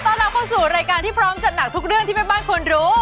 ต้อนรับเข้าสู่รายการที่พร้อมจัดหนักทุกเรื่องที่แม่บ้านควรรู้